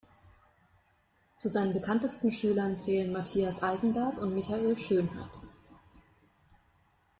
Zu seinen bekanntesten Schülern zählen Matthias Eisenberg und Michael Schönheit.